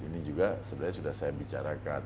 ini juga sebenarnya sudah saya bicarakan